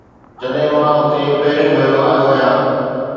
جڏهن مان هتي پهريون ڀيرو آيو آهيان